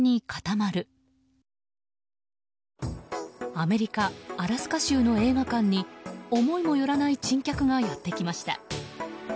アメリカ・アラスカ州の映画館に思いもよらない珍客がやってきました。